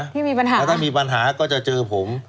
ถ้ามีปัญหาก็จะเจอผม